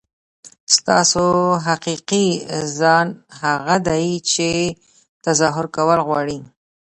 ستاسو حقیقي ځان هغه دی چې تظاهر کول غواړي.